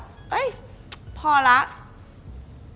เฮ้ยพอแล้ว